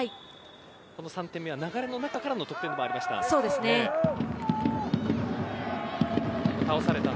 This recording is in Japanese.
この３点目は流れの中からの得点もありました。